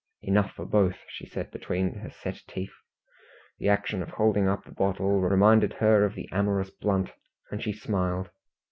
"Enough for both," she said, between her set teeth. The action of holding up the bottle reminded her of the amorous Blunt, and she smiled.